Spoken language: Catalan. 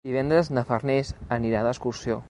Divendres na Farners anirà d'excursió.